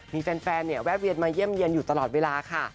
มีแฟนเนี่ยแวะเวียนมาเยี่ยมเยี่ยนอยู่ตลอดเวลาค่ะ